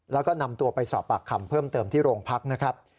แล้วก็นำตัวไปสอบปากคำเพิ่มเติมที่โรงพักนะครับ